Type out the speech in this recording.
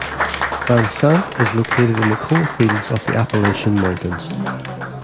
Vansant is located in the coalfields of the Appalachian Mountains.